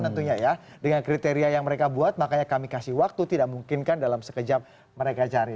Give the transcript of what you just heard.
tentunya ya dengan kriteria yang mereka buat makanya kami kasih waktu tidak mungkinkan dalam sekejap mereka cari